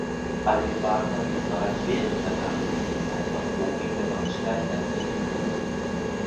Alwin Wagner wies bereits während seiner aktiven Zeit auf Doping der deutschen Leichtathleten hin.